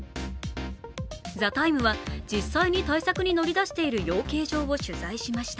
「ＴＨＥＴＩＭＥ，」は実際に対策に乗り出している養鶏場を取材しました。